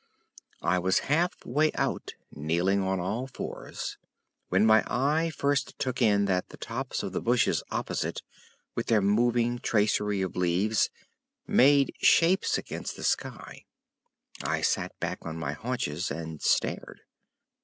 I was half way out, kneeling on all fours, when my eye first took in that the tops of the bushes opposite, with their moving tracery of leaves, made shapes against the sky. I sat back on my haunches and stared.